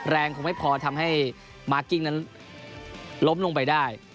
คงไม่พอทำให้มากกิ้งนั้นล้มลงไปได้